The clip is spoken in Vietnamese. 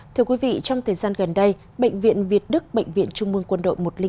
thưa quý vị trong thời gian gần đây bệnh viện việt đức bệnh viện trung mương quân đội một trăm linh bốn